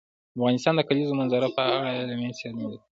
افغانستان د د کلیزو منظره په اړه علمي څېړنې لري.